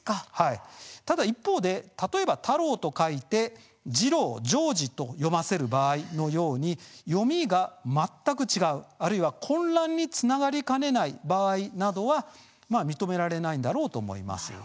ただ一方で、例えば太郎と書いてジロウ、ジョージなどと読ませる場合のように読みが全く違うあるいは混乱につながりかねない場合などは認められないだろうと思います。